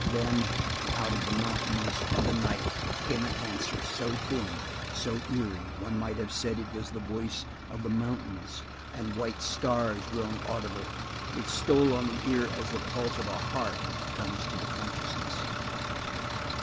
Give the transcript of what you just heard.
Then out of the mountains and the night came an answer so thin, so eerie, one might have said it was the voice of the mountains and white stars grown audible; it stole on the ear as the pulse of a heart comes to the consciousness.